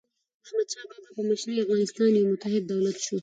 د احمدشاه بابا په مشرۍ افغانستان یو متحد دولت سو.